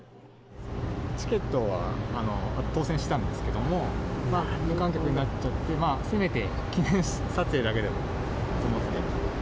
チケットは当せんしたんですけども、無観客になっちゃって、せめて記念撮影だけでもと思って。